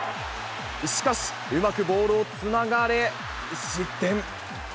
しかし、うまくボールをつながれ、失点。